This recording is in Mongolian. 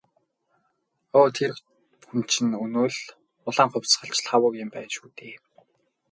Өө тэр хүн чинь өнөө л «улаан хувьсгалч» Лхагва юм байна шүү дээ.